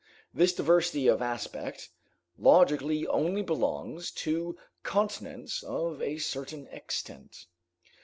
This diversity of aspect, logically only belongs to continents of a certain extent.